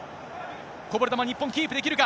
こぼれ球、日本、キープできるか。